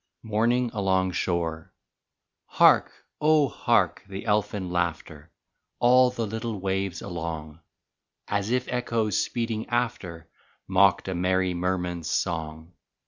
23 MORNING ALONG SHORE Hark, oh hark the elfin laughter All the little waves along, As if echoes speeding after Mocked a merry merman's song!